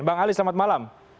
bang ali selamat malam